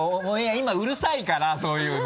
今うるさいからそういうの。